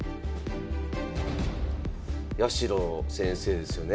八代先生ですよね。